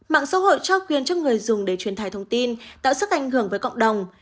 mạng xã hội trao quyền cho người dùng để truyền tải thông tin tạo sức ảnh hưởng với cộng đồng